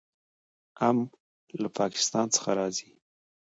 ام له پاکستان څخه راځي.